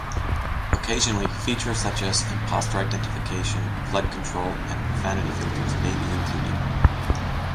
Occasionally, features such as impostor identification, flood control, and profanity filters may be included.